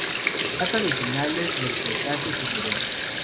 Data de finales del Cretácico Superior.